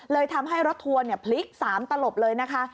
เลยทำให้รถทัวร์พลิก๓ตลบเลยนะคะ